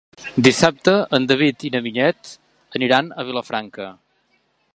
Dissabte en David i na Vinyet aniran a Vilafranca.